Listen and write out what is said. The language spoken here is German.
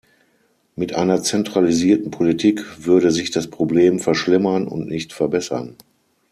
Mit einer zentralisierten Politik würde sich das Problem verschlimmern und nicht verbessern.